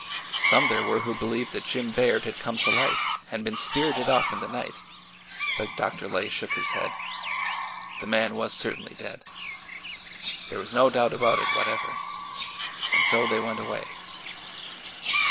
Some there were who believed that Jim Baird had come to life and been spirited off in the night, but Dr. Lay shook his head. The man was certainly dead. There was no doubt about it whatever. And so they went away.